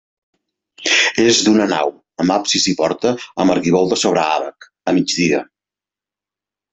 És d'una nau, amb absis i porta amb arquivolta sobre àbac, a migdia.